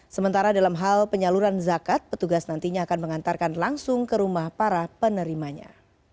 sementara dalam hal penyaluran zakat petugas nantinya akan mengantarkan langsung ke rumah para penerimanya